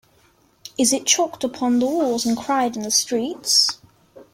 Is it chalked upon the walls and cried in the streets?